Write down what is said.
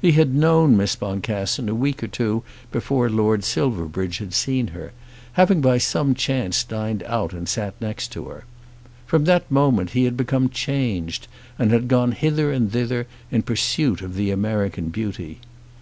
He had known Miss Boncassen a week or two before Lord Silverbridge had seen her, having by some chance dined out and sat next to her. From that moment he had become changed, and had gone hither and thither in pursuit of the American beauty.